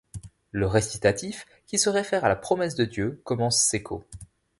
Le récitatif qui se réfère à la promesse de Dieu commence secco.